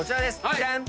ジャン！